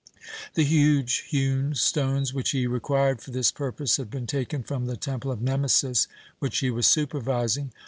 The huge hewn stones which he required for this purpose had been taken from the Temple of Nemesis, which he was supervising.